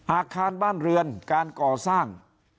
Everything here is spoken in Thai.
อาคารบ้านเรือนการก่อสร้าง